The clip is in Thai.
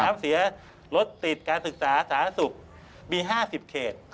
ค้ามเสียรถติดการศึกษาสถานศักดิ์สุข